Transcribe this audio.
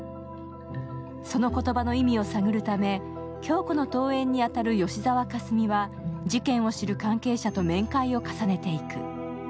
その言葉の意味を探るため響子の遠縁に当たる吉沢香純は事件を知る関係者と面会を重ねていく。